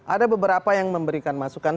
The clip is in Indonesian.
ada beberapa yang memberikan masukan